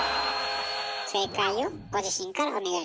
正解をご自身からお願いします。